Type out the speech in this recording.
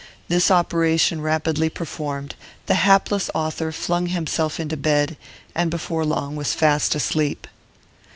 This operation rapidly performed, the hapless author flung himself into bed, and before long was fast asleep.